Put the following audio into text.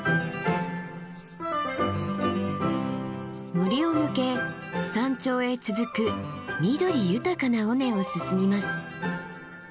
森を抜け山頂へ続く緑豊かな尾根を進みます。